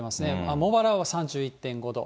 茂原は３１．５度。